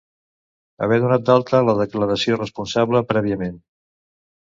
Haver donat d'alta la declaració responsable prèviament.